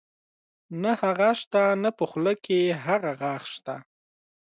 نۀ هغه شته نۀ پۀ خولۀ کښې هغه غاخ شته